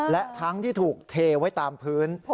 และทั้งที่ถูกเทไว้ตามพื้น